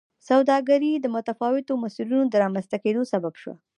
سوداګري د متفاوتو مسیرونو د رامنځته کېدو سبب شوه.